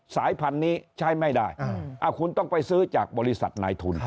สายพันธุ์นี้ใช้ไม่ได้คุณต้องไปซื้อจากบริษัทนายทุน